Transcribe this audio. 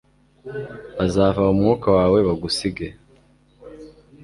Bazava mu mwuka wawe bagusige